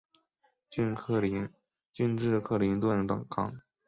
县治克林顿港。